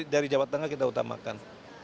dari jawa tengah kita utamakan